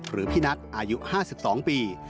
หรือพี่นัทอายุ๕๒ปี